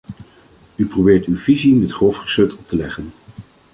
U probeert uw visie met grof geschut op te leggen.